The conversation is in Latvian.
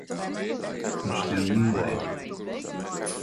Viņš tevi mīlēja.